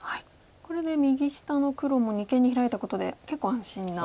これで右下の黒も二間にヒラいたことで結構安心な。